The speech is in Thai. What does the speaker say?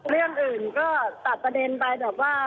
เรื่องอื่นก็ตัดประเด็นไปแบบว่า